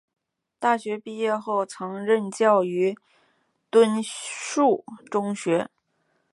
大学毕业后曾任教于敦叙中学。